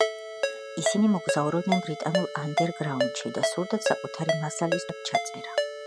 ისინი მოგზაურობდნენ ბრიტანულ ანდერგრაუნდში და სურდათ საკუთარი მასალის სტუდიაში პროფესიონალურად ჩაწერა.